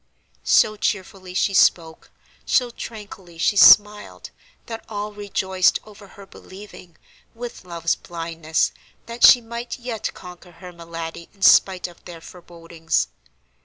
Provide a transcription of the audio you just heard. So cheerfully she spoke, so tranquilly she smiled, that all rejoiced over her believing, with love's blindness, that she might yet conquer her malady in spite of their forebodings.